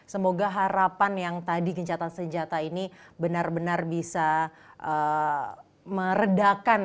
semoga harapan yang tadi gencatan senjata ini benar benar bisa meredakan